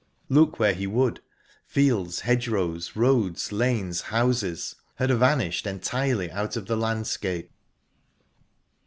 Look where he would, fields, hedgerows, roads, lanes, houses, had vanished entirely out of the landscape.